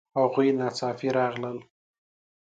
هغوی ناڅاپه راغلل